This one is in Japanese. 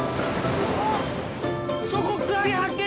そこクラゲ発見！